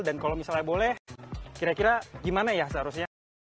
dan kalau misalnya boleh kira kira gimana ya seharusnya